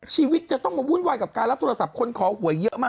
ชีวิตจะต้องมาวุ่นวายกับการรับโทรศัพท์คนขอหวยเยอะมาก